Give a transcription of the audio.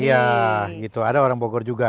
iya gitu ada orang bogor juga